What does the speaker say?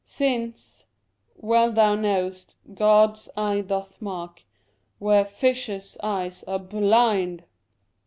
sInCe Well thou know'st God's eye doth Mark, Where fishes* eyes are bLind.